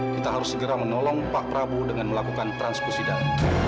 kita harus segera menolong pak prabu dengan melakukan transkursi dalam